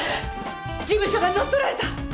事務所が乗っ取られた。